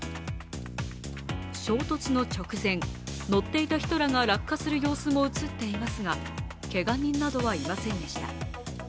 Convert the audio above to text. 衝突の直前、乗っていた人らが落下する様子も映っていましたがけが人などはいませんでした。